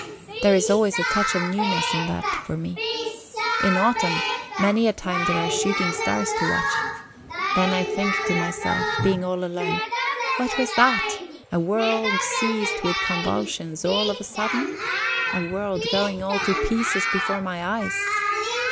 There is always a touch of newness in that for me. In autumn, many a time there are shooting stars to watch. Then I think to myself, being all alone, What was that? A world seized with convulsions all of a sudden? A world going all to pieces before my eyes?